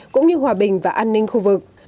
cũng như hòa bình và an ninh khu vực